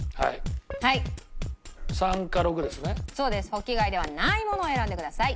ホッキ貝ではないものを選んでください。